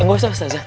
nggak usah ustazah